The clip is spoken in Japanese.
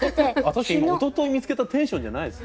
確かに今おととい見つけたテンションじゃないですね。